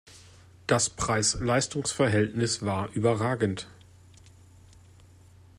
Das Preis-Leistungs-Verhältnis war überragend!